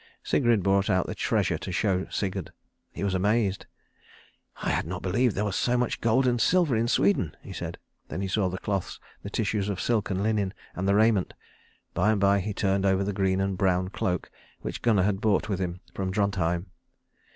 Sigrid brought out the treasure to show to Sigurd. He was amazed. "I had not believed there was so much gold and silver in Sweden," he said. Then he saw the cloths, the tissues of silk and linen, and the raiment. By and by he turned over the green and brown cloak which Gunnar had brought with him from Drontheim.